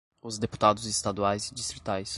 os deputados estaduais e distritais;